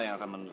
siapa tahu tuh